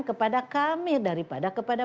kepada kami daripada kepada